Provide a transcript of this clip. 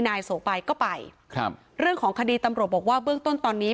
นายโสไปก็ไปครับเรื่องของคดีตำรวจบอกว่าเบื้องต้นตอนนี้